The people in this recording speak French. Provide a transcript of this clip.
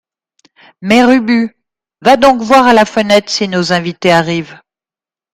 Mère Ubu, va donc voir à la fenêtre si nos invités arrivent.